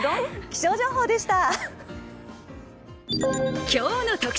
気象情報でした。